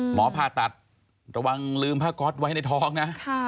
หมอผ่าตัดระวังลืมผ้าก๊อตไว้ในท้องนะ